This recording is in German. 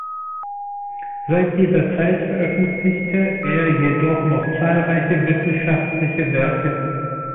Seit dieser Zeit veröffentlichte er jedoch noch zahlreiche wissenschaftliche Werke.